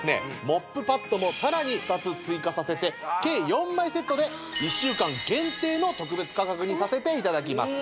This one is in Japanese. モップパッドもさらに２つ追加させて計４枚セットで１週間限定の特別価格にさせていただきます